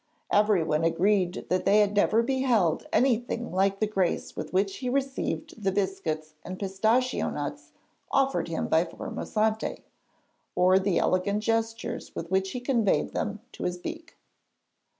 Everyone agreed that they had never beheld anything like the grace with which he received the biscuits and pistachio nuts offered him by Formosante, or the elegant gestures with which he conveyed them to his beak.